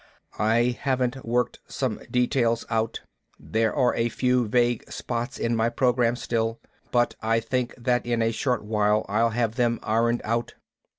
"I haven't worked some details out. There are a few vague spots in my program, still. But I think that in a short while I'll have them ironed out."